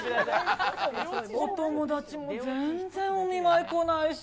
お友達も全然お見舞い来ないし。